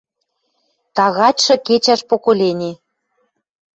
Тагачшы кечӓш поколени!